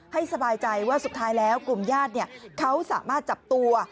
สบายใจว่าสุดท้ายแล้วกลุ่มญาติเขาสามารถจับตัว